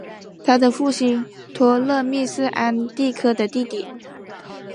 他的父亲托勒密是安提柯的弟弟。